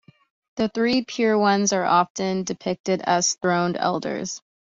The Three Pure Ones are often depicted as throned elders.